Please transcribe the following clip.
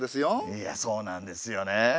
いやそうなんですよね。